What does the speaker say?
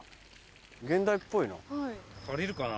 現代っぽいな。